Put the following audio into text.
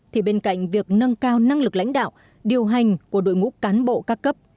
thì bên cạnh việc nâng cao năng lực lãnh đạo điều hành của đội ngũ cán bộ các cấp